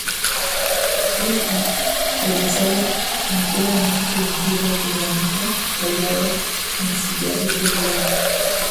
Está realizada enteramente en piedra de granito, tallada en sillares regulares.